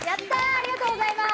ありがとうございます！